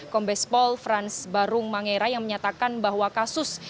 kombespol frans barung mangera yang menyatakan bahwa kasus